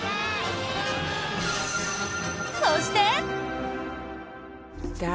そして。